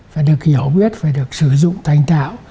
phải được hiểu biết phải được sử dụng thành tạo